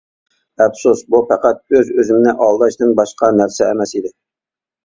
ئەپسۇس بۇ پەقەت ئۆز-ئۆزۈمنى ئالداشتىن باشقا نەرسە ئەمەس ئىدى.